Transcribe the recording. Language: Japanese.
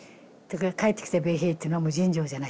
帰ってきた米兵っていうのはもう尋常じゃない。